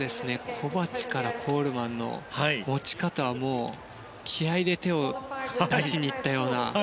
コバチからコールマンの持ち方は気合で手を離しに行ったような。